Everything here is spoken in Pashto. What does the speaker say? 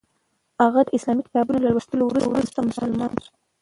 هغه د اسلامي کتابونو له لوستلو وروسته مسلمان شو.